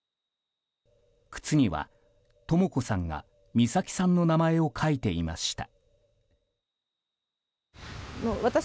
靴にはとも子さんが美咲さんの名前を書いていました。